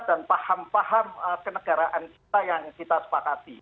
dan paham paham kenegaraan kita yang kita sepakati